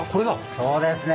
そうですね。